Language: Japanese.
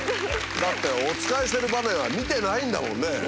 だっておつかいしてる場面は見てないんだもんね。